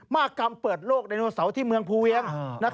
มากรรมเปิดโลกไดโนเสาร์ที่เมืองภูเวียง